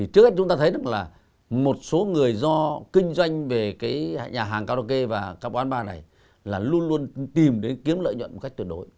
trước hết chúng ta thấy là một số người do kinh doanh về cái nhà hàng karaoke và các quán bar này là luôn luôn tìm đến kiếm lợi nhuận một cách tuyệt đối